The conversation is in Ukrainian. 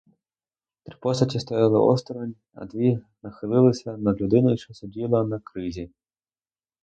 Три постаті стояли осторонь, а дві нахилилися над людиною, що сиділа на кризі.